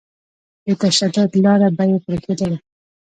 د تشدد لاره به يې پرېښودله.